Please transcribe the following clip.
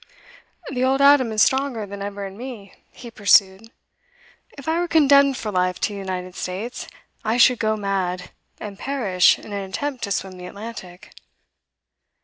'The old Adam is stronger than ever in me,' he pursued. 'If I were condemned for life to the United States, I should go mad, and perish in an attempt to swim the Atlantic.